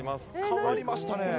変わりましたね。